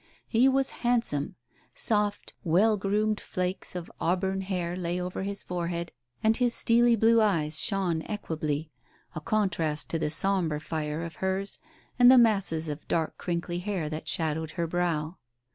He was handsome; soft, well groomed flakes of auburn hair lay over his forehead, and his steely blue eyes shone equably, a contrast to the sombre fire of hers, and the masses of dark crinkly hair that shaded her brow.